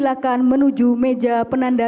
rohaniwan dimohon kembali ke tempat semula